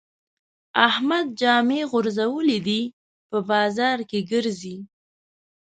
احمد جامې غورځولې دي؛ په بازار کې ګرځي.